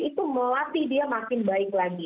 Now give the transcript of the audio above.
itu melatih dia makin baik lagi